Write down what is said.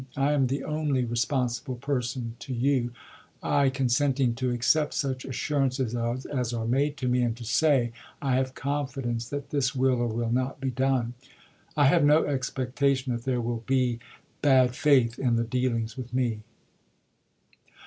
I am the only responsible person to you, I consenting to accept such assurances as are made to me and to say, " I have confidence that this will or will not be done." I have no expectation that there will be bad faith in the dealings with me.